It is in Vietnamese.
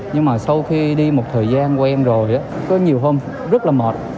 nhưng mà sau khi đi một thời gian quen rồi có nhiều hôm rất là mệt